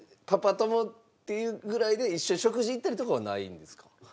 友っていうぐらいで一緒に食事行ったりとかはないんですか？